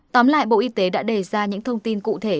tóm lại bộ y tế đã đề ra những thông tin cụ thể